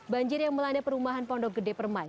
banjir yang melanda perumahan pondok gede permai